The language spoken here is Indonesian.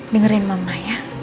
dengarin mama ya